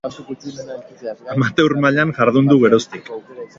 Amateur mailan jardun du geroztik.